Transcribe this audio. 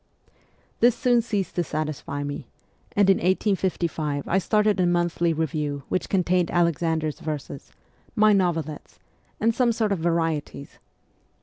This soon ceased to satisfy me, and in 1855 I CHILDHOOD 79 started a monthly review which contained Alexander's verses, my novelettes, and some sort of ' varieties.'